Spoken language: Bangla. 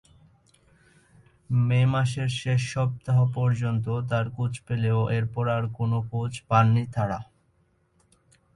মে মাসের শেষ সপ্তাহ পর্যন্ত তার খোঁজ পেলেও এরপর তার কোনো খোঁজ পাননি তারা।